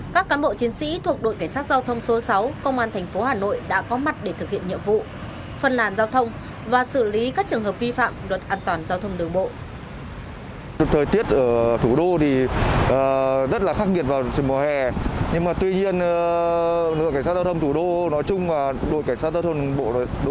các cán bộ chiến sĩ thuộc đội cảnh sát giao thông số sáu